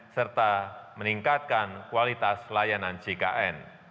serta meningkatkan kualitas layanan jkn